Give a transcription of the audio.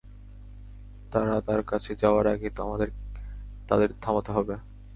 তারা তার কাছে যাওয়ার আগে আমাদের তাদের থামাতে হবে।